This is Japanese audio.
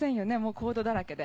コードだらけで。